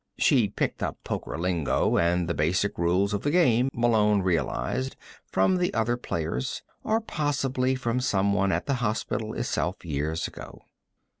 She'd picked up poker lingo, and the basic rules of the game, Malone realized, from the other players or possibly from someone at the hospital itself, years ago.